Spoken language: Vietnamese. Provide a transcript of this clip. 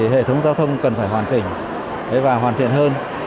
hệ thống giao thông cần phải hoàn chỉnh và hoàn thiện hơn